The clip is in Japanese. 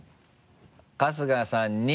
春日さんに。